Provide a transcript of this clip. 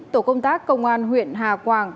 tổ công tác công an huyện hà quảng